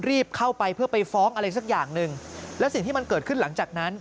รีบเข้าไปเพื่อไปฟ้องอะไรสักอย่างหนึ่งแล้วสิ่งที่มันเกิดขึ้นหลังจากนั้น